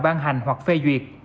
ban hành hoặc phê duyệt